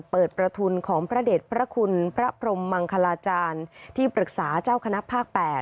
ประทุนของพระเด็จพระคุณพระพรมมังคลาจารย์ที่ปรึกษาเจ้าคณะภาค๘